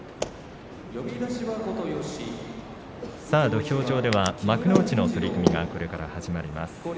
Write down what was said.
土俵上では幕内の取組がこれから始まります。